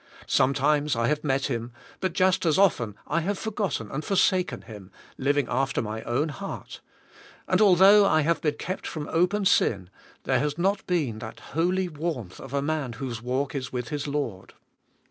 Sometimes I have met Him, but just as often I have forg otten and forsaken Him, living after my own heart, and althoug h I have been kept from open sin, there has not been that holy warmth of a man whose walk is with his Lord.